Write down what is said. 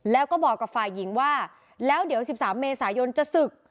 แล้วก็บอกกับฝ่ายหญิงว่าแล้วเดี๋ยว๑๓เมษายนจะศึก